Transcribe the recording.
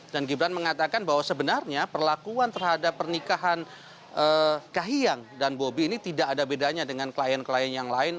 dan gibran mengatakan bahwa sebenarnya perlakuan terhadap pernikahan kahyang dan bobi ini tidak ada bedanya dengan klien klien yang lain